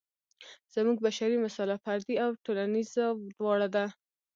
زموږ بشري مساله فردي او ټولنیزه دواړه ده.